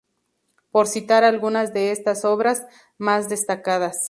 Por citar algunas de estas obras más destacadas